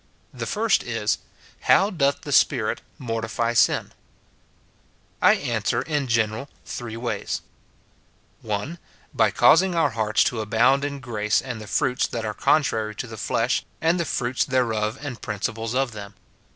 The first is, Hotv doth the Spirit mortify sin ? I answer, in general, three ways :— [1.] By causing our hearts to abound in grace and the fruits that are contrary to the flesh, and the fruits there of and principles of them.